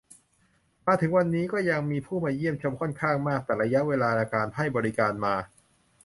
ถึงวันนี้ก็ยังมีผู้มาเยี่ยมชมค่อนข้างมาก แต่ระยะเวลาการให้บริการมา